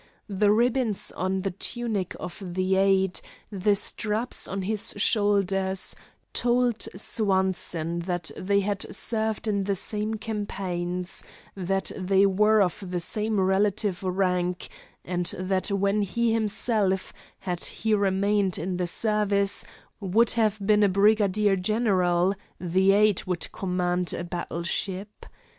The ribbons on the tunic of the aide, the straps on his shoulders, told Swanson that they had served in the same campaigns, that they were of the same relative rank, and that when he himself, had he remained in the service, would have been a brigadier general the aide would command a battle ship.